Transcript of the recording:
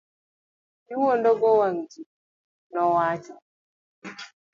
Iwuondo go wang' ji, nowacho.